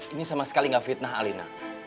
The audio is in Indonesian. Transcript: ini sama sekali ngefitnah alina